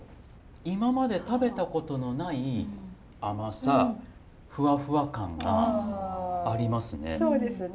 今まで食べたことのない甘さフワフワ感がありますね。